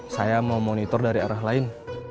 saya mau monitor dari arah lain